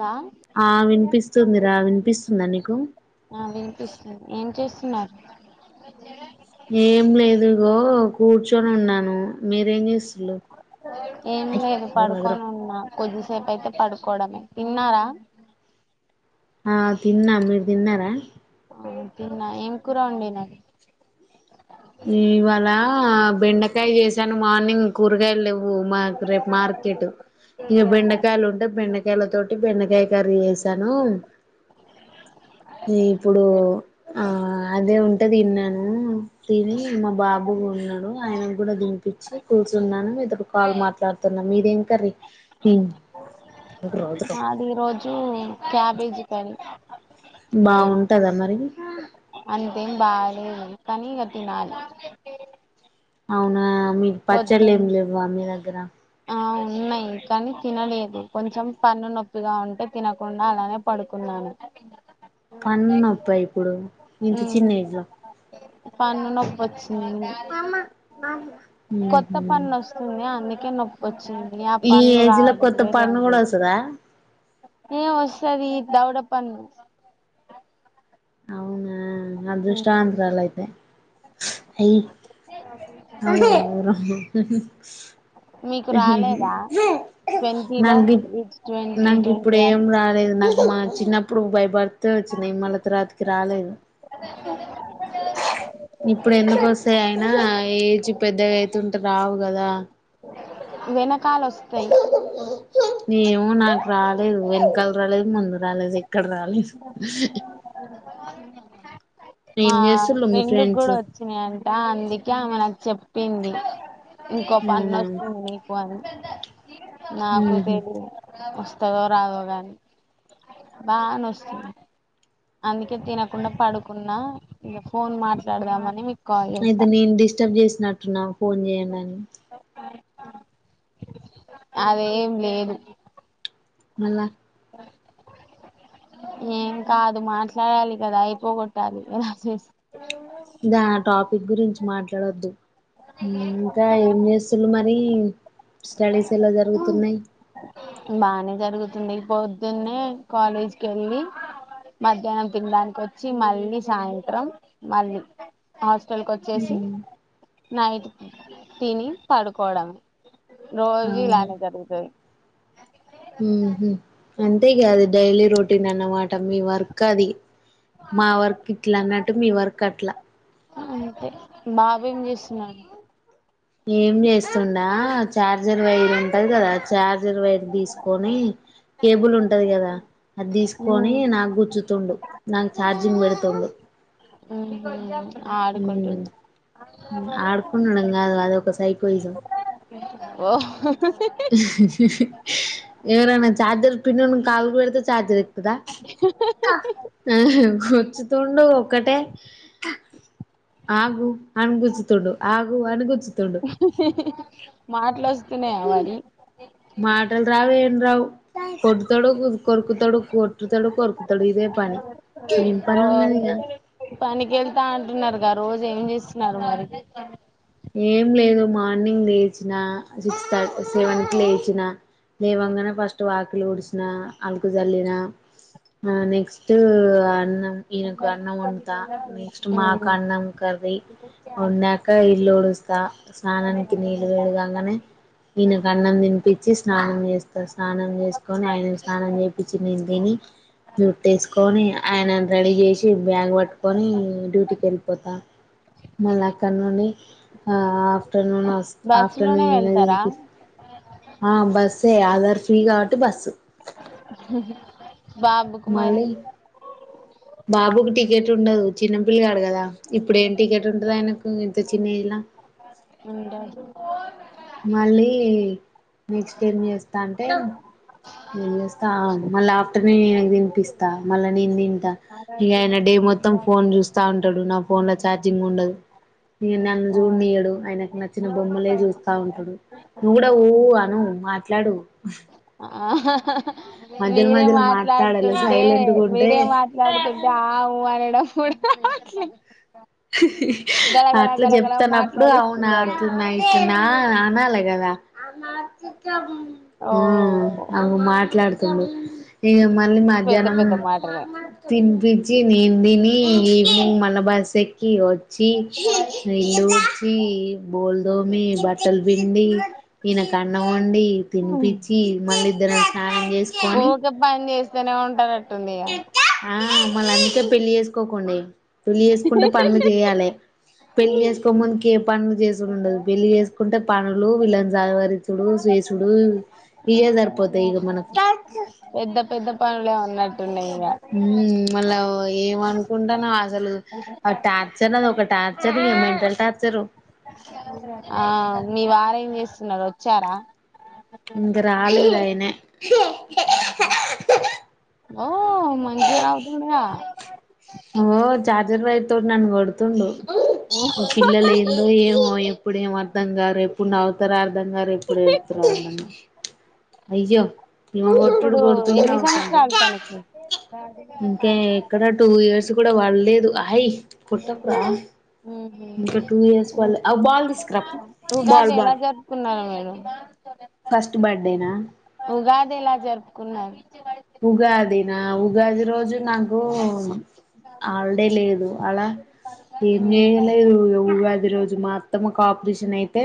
తా ఆ మీ అక్క ఏం వినిపిస్తుందిరా చేస్తుంది వినిపిస్తుందా నీకు ఆ వినిపిస్తుంది ఏం చేస్ ఆ ఏం లేదు గో కూర్చొని ఉన్నాను, మీరేం చేస్తుళ్ళు ఏం లేదు పడుకొని ఉన్నా కొద్దిసేపు అయితే పడుకోవడమే తిన్నారా ఆ తిన్నా మీరు తిన్నారా హూ తిన్నా ఏం కూర వండినర్ నీ ఇవాళ బెండకాయ చేసాను మార్నింగ్ కూరగాయలు లేవ్ వ్ మాక్ రేప్ మార్కెట్ ఇంగ బెండకాయలు ఉంటే, బెండకాయల తోటి బెండకాయ కర్రీ చేసాను. ఇప్పుడు ఆ అదే ఉంటది తిన్నాను తిని మా బాబు ఉన్నాడు, ఆయన కూడా దినిపించి కూర్చున్నాను, మీ తోటి కాల్ మాట్లాడుతున్నా మీదేం. కర్రీ మాది ఈ రోజు క్యాబేజీ పని బాగుంటదా మరి అంతేం బాలేదు కానీ ఇగ తినాలి అవునా మీక్ పచ్చళ్లు పొద్దున్న ఏం లేవ మీదగ్ రా ఆ ఉన్నాయి కానీ తినలేదు, కొంచెం పన్ను నొప్పిగా ఉంటే, తినకుండా అలానే పడుకున్నాను. పన్ను నొప్ప ఇప్పుడు ఇంత ఉమ్ చిన్న ఏజ్లా పన్ను నొప్పి వచ్చింది కెనో వచ్చిన్ ఆ పన్ను రావడం కొత్త లేదు ఏం పండు కూడా లేదు వస్తదా పన్ను అవునా అదృష్ట వంతురాలు అయితే అయ్ అవునా వరం మీకు రాలేదా నా ట్వంటీలో న్ గిప్ ట్వంటీ నా ట్వంటీ గిప్పుడు ఏం వన్ రాలేదు నా మా చిన్నప్పుడు బై బర్త్ తే వచ్చినాయి మళ్ళ తరాతికి రాలేదు. ఇప్పుడు ఎందుకు వస్తాయి అయినా. ఏజ్ పెద్దగా అయితుంటే రావ్ కదా వెన క్ కాలోస్తాయి ఏమో నాకు రాలేదు వెనకాల రాలేదు ముందు రాలేది క్కడ రాలేదు ఏం మా చేస్తుళ్ళు మీ ఫ్రెండుకి ఫ్రెండ్స్ కూడా వచ్చినాయంట అందుకే ఆమె నాక్ చెప్పింది ఇంకో పన్ను అవునా వస్తుంది నీకు అని నాకు ఉహు తెలీదు వస్ దోరదుగాని బా నస్తుంది అందుకే తినకుండా పడుకున్నా ఇక ఫోన్ మాట్లాడదామని మీకు కాల్ అయితే చేసా నేను డిస్టర్బ్ చేసినట్టున్నా ఫోన్ చేయండి అని అదేం లేదు మళ్ళ ఏం కాదు మాట్లాడాలి కదా అయిపోగొట్టాలి ఆ చేసి దా ఆ టాపిక్ గురించి మాట్లాడొద్దు ఇంకా ఏం చేస్తులు మరి స్టడీస్ ఎలా జరుగుతున్నాయి బానే జరుగుతుంది పొద్దున్నే కాలేజ్కి వెళ్ళి మధ్యాహ్నం తినడానికి వచ్చి మళ్ళీ సాయంత్రం మళ్ళీ హాస్టల్ కి వచ్చేసి నైట్ తిని పడుకోవడం రోజు ఇలానే జరుగుతుంది ఉ అంతేకాదు డైలీ రొటీన్ అన్నమాట మీ వర్క్ అది మా వరకు ఇట్లా అన్నట్టు మీ వరకు అట్లా అంతే బాబు ఏం చేస్తున్నడు ఏం చేస్తుండా చార్జర్ వైరు కదు కదా ఛార్జర్ వైరు తీసుకొని కేబుల్ ఉంటాది కదా అది తీసుకొని నాకు గుచ్చుతుండు నాకు చార్జింగ్ పెడతుండు ఈ మధ్య ఉ ఆడుకుండడం కాదు అదొక సైకోయిజం ఓహొ [inaudible] ఎవరనా చార్జర్ పిన్నును కాలుకు వెడుతు ఛార్జర్ ఎక్కుతాదా ఆహా గుంచుతుండు ఒక్కటే ఆగు అణగుచ్చుతుండు ఆగు అనీ గుచ్చుతుండు తిన్నావా మరి మాటలు రావు ఏం రావు కొట్టుతాడు కొరుకుతాడు కొటుతాడు కొరుకుతాడు ఇదే పని ఏ ఏం పని రోజు ఉన్నదిగా ఇంకా రోజు ఏం చేస్తున్నారు మరి ఏం లేదు మార్నింగ్ లేచినా, సిక్స్ థర్టీ సెవెన్ కి లేచిన లేవంగానే ఫస్ట్ వాకిలు ఊడిసిన అలుకు చల్లిన ఆ నెక్స్ట్ అన్న ఈనకు అన్నం వండుతా నెక్స్ట్ మాకు మ్మ్ అన్నం కర్రి వండాక ఇ ఉడుస్తా స్నానానికి నీళ్ళు వేడి కాంగానే ఈనకు అన్నం తినిపిచి స్నానం [unintelligible] చేస్తా స్నానం చేసుకొని ఆయనకి స్నానం చేపించి నేను తిని జుట్టేసుకొని ఆయనన్ రెడీ చేసి బ్యాగ్ పట్టుకొని డ్యూటీకి ఎళ్ళిపోతా మళ్ళీ అక్కడ నుండి ఆ ఆఫ్టర్ నూన్ అస్ బస్సు ఆఫ్టర్నూన్ లోనే ఏదైన వెళ్తారా చెపీస్ ఆ బస్సే ఆధార్ ఫ్రీ కాబట్టి బస్సు హహ బాబుకు మరి మళ్ళీ బాబుకి టికెట్ ఉండదు చిన్నపిల్గాడు కదా ఇప్పుడు ఏం టికెట్ ఉంటాది ఆయనకు ఇంత చిన్న ఏజ్ లా ఉండా మళ్ళీ నెక్స్ట్ ఏం చేస్తా అంటే ఏం చేస్తా మళ్ళా ఆఫ్టర్నూన్ ఇనకి తినిపిస్తా మళ్ళా నేన్ తింటా ఇగ ఆయన డే మొత్తం ఫోన్ చూస్తా ఉంటాడు, నా ఫోన్ ల ఛార్జింగ్ ఉండదు, ఇగ నన్ చూడనియ్యడు, ఆయనకు నచ్చిన బొమ్మలే చూస్తా ఉంటడు, నువ్వు కూడా ఊ అను మాట్లాడు ఆహా హా హా మధ్యలో మీరే మధ్యలో మాట్లాడాలి మాట్లాడుతుంటే సైలెంట్గా ఉంటే మీరే మాట్లాడుతుంటే ఆ ఊ అని ఫుడు [unintelligible] [unintelligible] అట్లా చెప్తనప్పుడు అవునా మాట్లాడిస్తున్నారు అట్లనా ఇట్లనా నా అనాలె కదా ఓ అగో మాట్లాడుతుండు, ఇంగ్ మళీ పెద్ద మధ్యాహ్నం పెద్ద మాటలే తినిపి నేన్ దీని ఈవెనింగ్ మల్ల బాస్ ఏక్ కీవో ఛీ, ఇల్లుడ్చి బొల్లు దొమి బట్టల్ పిండి ఈయనకన్నం వండి తినిపిచ్చి మళ్ళీ ఇద్దరం స్నానం చేసుకొని ఏదన్నా ఉంటదని ఆ, మల కే పెళ్లి చేసుకోకుండి పెళ్లి చేసుకుంటే పనులు ఇగ చేయాలే పెళ్లి చేసుకో ముందుకి ఏ పన్ చేసుడ్ ఉండదు పెళ్లి చేసుకుంటే పనులు వీళ్ళన్ జవరిచుడు సేసుడు ఇవే సరిపోతాయి ఇగ మనకు పెద్ద పెద్ద పనులే అన్నట్ ఉమ్ మళ్ళా ఏమనుకుంటాన్నా అసలు టార్చర్ అది ఒక టార్చర్ మెంటల్ టార్చరు ఆ మీ వారు ఏం చేస్ న్న వచ్చారా ఇంకా రాలేదు ఆయనే ఉ మంచి రావుదుంగా ఓ చార్జర్ వైర్ తోను నన్ను కొడుతోండు పిల్లలు ఏదో ఏమో ఎప్పుడు ఏం అర్ధం గారు ఎప్పుడు నవ్వుతారో అర్ధం కారు ఎప్పుడు ఏడతారో అర్ధం కారు అయ్యో ఈమె కొట్టుడు ఇప్పుడు కొడుతుండు ఎన్ని నవ్వుతుండు సంవత్సరాలు తనకి ఇప్పుడు కూడా పర్లేదు ఉహు ఇంకా టూ ఇయర్స్ పల్లె ఉగాది ఎలా జరుపుకున్నారు మీరు నేనా ఉగాది ఎలా జరుపుకున్నారు ఉగాది నా ఉగాది రోజు నాకు హలీడే లేదు ఆలా ఏం ఉహు చేయలేదు ఉ ఉగ పది రోజు మా అత్తమ్మ కి ఆపరేషన్ అయితే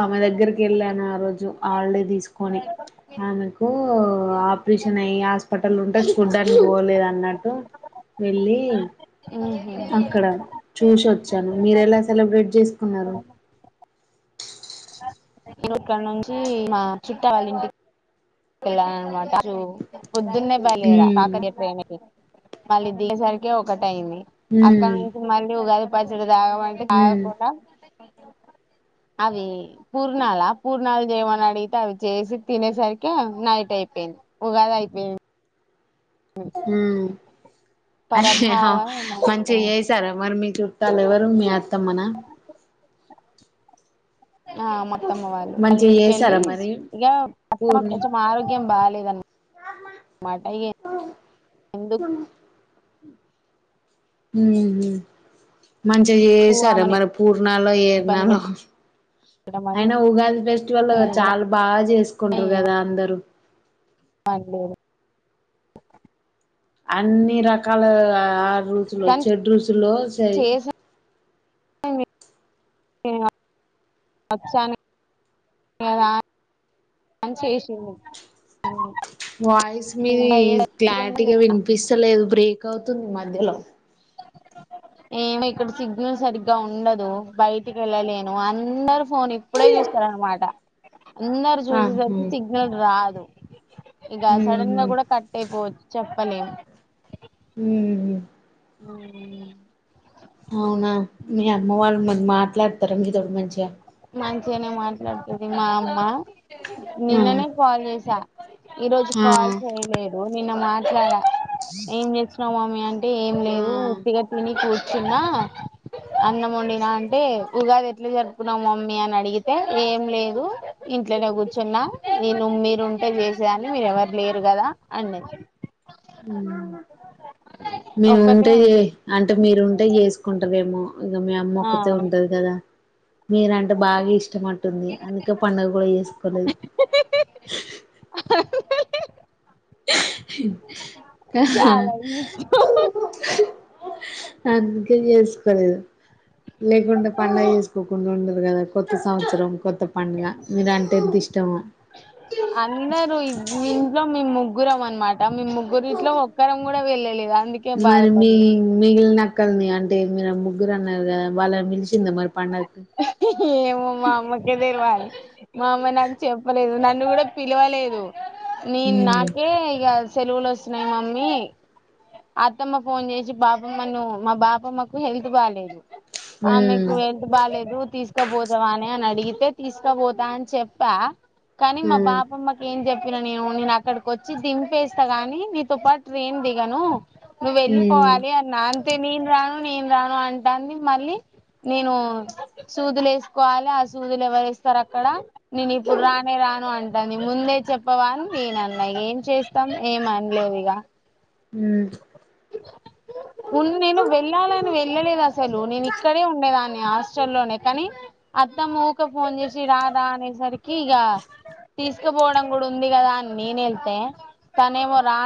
ఆమె దగ్గరికి వెళ్ళాను ఆ రోజు హాలీడే తీసుకుని ఆమెకు ఆపరేషన్ అయ్యి హాస్పిటల్ ఉంటే చూడ్డానికి పోలేదు అన్నట్టు వెళ్ళి ఉహు అక్కడ చూసి వచ్చాను మీరు ఎలా సెలబ్రేట్ చేసుకున్నారు ఇక్కడి నుంచి మా చుట్ట వాళ్ళ ఇంటి ఇలా వదురు పొద్దున్నే బలేరా ఉమ్ కాకర్య ట్రైన్ కి మళ్ళీ దిగే సరికి ఒకటి అయింది అక్కడ ఉమ్ నుంచి మళ్ళీగాది పదురు రావ అంటే ఉమ్ నాకూడా అవి పూర్ణాల పూర్ణాలు చేయమని అడిగితే అవి చేసి తినేసరికి నైట్ అయిపోయింది ఉగాది అయిపోయింది ఉ అయ్యో పరభావ మంచిగా చేసారా మరి మీ చుట్టాలు ఎవరు మీ ఆ ఆ మొత్తమ్మ వాళ్ళు వాళ్ళ మంచిగా ఇంటికెళ్ళి చేసారా మరి ఇగ మత్తమ్మ పూర్ణి కొంచెం ఆరోగ్యం బాగా దని మాటయి ఎందు ఉహు మంచిగా చేసారా ఆమెను మరి పూర్ణలో ఇబ్బంది ఏర్నాలో పెట్టడం అని అయినా ఉగాది ఫెస్టివల్ నేను కూడా చాలా బాగా చేసుకుంటారు కదా అందరు అండి అన్ని రకాల ఆర్ రూచ్ లు కానీ చెడ్రుచ్ లో చైయి అ ఇంగ వచ్చాను ఇంగ దా అన్ చేసింది వాయిస్ మీది ఇంకా క్లారిటీగా వినిపిస్తలేదు బ్రే క్ అవుతుంది మధ్యలో ఏమి ఇక్కడ సిగ్నల్ సరిగ్గా ఉండదు, బయటికి వెళ్ళలేను అందర్. ఫోన్ ఇప్పుడే చూస్తారనమాట అందరు ఆహా చూసేసరికి సిగ్నల్ రాదు ఇగ సడన్ గా ఉహు కూడా కట్ అయిపోవచ్చు చెప్ పలేం ఉమ్ హ్ ఆవ్ నా అవునా తొరంగీ దోడు మంచిగా మంచిగానే మాట్లాడుతది మా అమ్మ ఆ నిన్ననే కాల్ చేసా ఈ రోజు ఆ కాల్ చేయలేదు నిన్న మాట్ రాడ ఏం చేసినవ్ మామ్ మీ యన్ అంటే ఏం ఆ లేదు ఉత్తిగ తిని కూ చ్చిన అన్నం వండినా అంటే ఉగాది ఎట్లా జరుప్ నవ్ మమ్మీ అని అడిగితే ఏం లేదు, ఇంట్లనే కూర్చున్నా నేను మీరు ఉంటే చేసేదాన్ని మీరు ఎవరు లే. హ్ మేము ఒక్కటే ఉంటే చేయి ఉంటది అంటే మీరు ఉన్ టే చేసుకుంటరేమో ఇగ మీ అమ్మ ఆ ఒక్కతే ఉంటది కదా మీరు అంటే బాగా ఇష్టం అంటుంది, అందుకే పండుగ కూడా చేసుకోలేద్. చాలా ఇష్టం అందుకే చేసుకోలేదు లేకుంటే పండగ చేసుకోకుండా ఉండరు కదా కొత్త సంవత్సరం కొత్త పండుగ మీరు అంటే ఎంత ఇష్టమో. గ్గురం అనమాట మీ ముగ్గురు ఇట్లో ఒక్కరం కూడా వెళ్ళలేదా. మరి మీ మి గిలి నా మక్కలని అంటే మీరు ముగ్గురు అన్నారు కదా వాళ్ళనీ పిలిసిందా మరి పండగ ఏమమ్మా అమ్మ కే దేల్ వాలి మా అమ్మ నాకు చెప్పలేదు నన్ను కూడా పిలవలేదు నేన్ ఉమ్ నాకే ఇగ సెలవులు వస్తున్నాయి మమ్మీ అత్తమ్మ ఫోన్ చేసి బాపమ్మను మా బాపమ్మకు హెల్త్ బాలేేదు ఉమ్ ఆమెకు ఎంత బాలే డు తీసుకపోతావాని అని అడిగితే తీసుకపోతా అని చెప్పా కానీ మా ఉమ్ బాపమ్మకి ఏం చెప్ ఇరు నేను నేను అక్కడికి వచ్చి దింపేస్తా గాని నీతో పాటు ట్రైన్ దిగను నువ్వు ఉమ్ వెళ్ళిపోవాలి అన్నా తే నేను రాను నేను రాను అంటాన్ని మళ్ళీ నేను సూదులు వేసుకోవాలి ఆ సూదులు ఎవరు వస్తారు అక్కడ నేను ఇప్పుడు రానే రాను అంటాంది ముందే చెప్పవాని నేన అన్నా ఏం చేస్తాం ఏమ అనలేదు ఇక ఉమ్ ఉన్ నేను వెళ్ళాలని వెళ్ళలేదు అసలు నేను ఇక్కడే ఉండేదాన్ని హాస్టల్లోనే కానీ అత్తమ్మఉక ఫోన్ చేసి రారా అనేసరి కిగా తీస్ కపోవడం కూడా ఉంది కదా అని నేవెళ్తే తనేమో రా